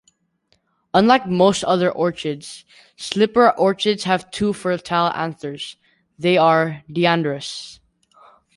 Unlike most other orchids, slipper orchids have two fertile anthers - they are "diandrous".